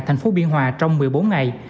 tp biên hòa trong một mươi bốn ngày